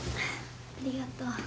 ありがとう。